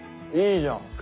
いいじゃん。